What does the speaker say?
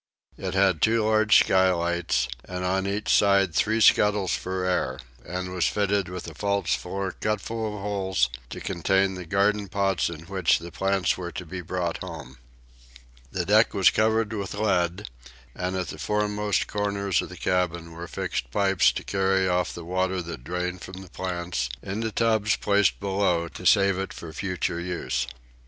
It had two large skylights, and on each side three scuttles for air, and was fitted with a false floor cut full of holes to contain the garden pots in which the plants were to be brought home. The deck was covered with lead, and at the foremost corners of the cabin were fixed pipes to carry off the water that drained from the plants into tubs placed below to save it for future use.